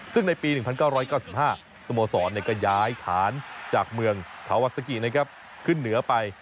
ซึ่งในปี๑๙๙๕สโมสรก็ย้ายฐานจากเมืองทาวาซากินะครับขึ้นเหนือไป